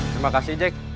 terima kasih jek